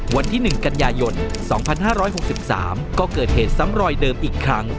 วันที่๑กันยายน๒๕๖๓ก็เกิดเหตุซ้ำรอยเดิมอีกครั้ง